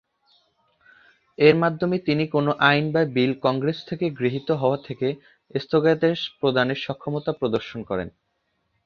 এর মাধ্যমে তিনি কোন আইন বা বিল কংগ্রেস থেকে গৃহীত হওয়া থেকে স্থগিতাদেশ প্রদানে সক্ষমতা প্রদর্শন করেন।